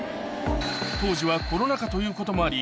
当時はコロナ禍ということもあり